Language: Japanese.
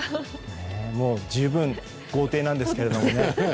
十分豪邸なんですけどね